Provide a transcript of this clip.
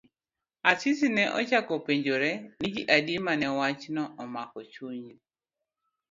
Asisi ne ochako penjore ni ji adi mane wachno omako chunygi.